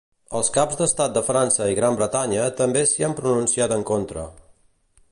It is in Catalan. Els caps d'estat de França i Gran Bretanya també s'hi han pronunciat en contra.